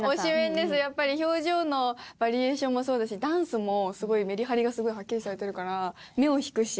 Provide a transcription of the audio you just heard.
やっぱり表情のバリエーションもそうですしダンスもすごいメリハリがすごいはっきりされてるから目を引くし